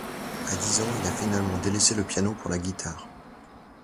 À dix ans, il a finalement délaissé le piano pour la guitare.